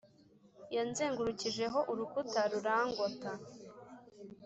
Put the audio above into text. yanzengurukijeho urukuta rurangota,